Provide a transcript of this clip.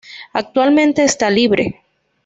Actualmente esta libre.